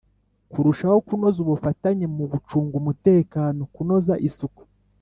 Kurushaho kunoza ubufatanye mu gucunga umutekano kunoza isuku